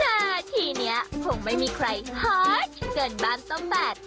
หน้าที่เนี่ยคงไม่มีใครฮอตเกินบ้านเจ้าแฟด